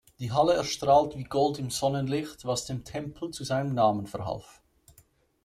Die Halle erstrahlt wie Gold im Sonnenlicht, was dem Tempel zu seinem Namen verhalf.